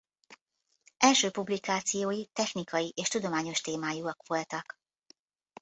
Első publikációi technikai és tudományos témájúak voltak.